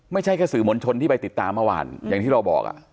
ไม่ใช่แค่สื่อมวลชนที่ไปติดตามเมื่อวานอย่างที่เราบอกอ่ะ